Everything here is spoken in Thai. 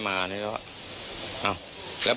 พี่สมหมายก็เลย